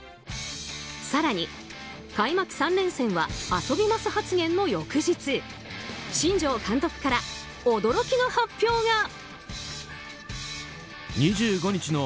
更に開幕３連戦は遊びます発言の翌日新庄監督から驚きの発表が。